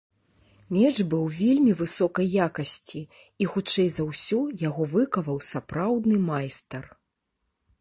Меч быў вельмі высокай якасці і, хутчэй за ўсё, яго выкаваў сапраўдны майстар.